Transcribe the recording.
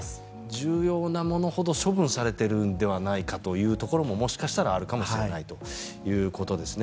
重要なものほど処分されているのではないかというところももしかしたらあるかもしれないということですね。